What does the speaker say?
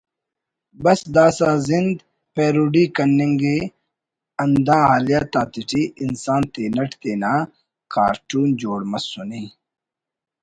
بس داسہ زند پیروڈی کننگ ءِ ہندا حالیت آتیٹی انسان تینٹ تینا کارٹون جوڑ مسنے